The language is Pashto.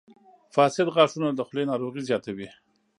• فاسد غاښونه د خولې ناروغۍ زیاتوي.